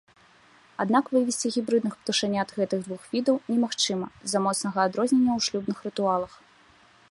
Аднак вывесці гібрыдных птушанят гэтых двух відах немагчыма з-за моцнага адрознення ў шлюбных рытуалах.